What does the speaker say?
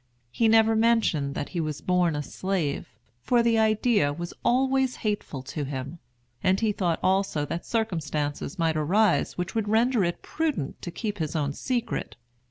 He never mentioned that he was born a slave; for the idea was always hateful to him, and he thought also that circumstances might arise which would render it prudent to keep his own secret.